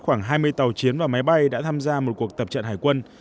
khoảng hai mươi tàu chiến và máy bay đã tham gia một cuộc tập trận hải quân